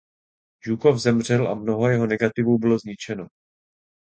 Žukov zemřel a mnoho jeho negativů bylo zničeno.